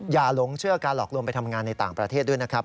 หลงเชื่อการหลอกลวงไปทำงานในต่างประเทศด้วยนะครับ